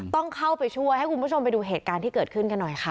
ต้องเข้าไปช่วยให้คุณผู้ชมไปดูเหตุการณ์ที่เกิดขึ้นกันหน่อยค่ะ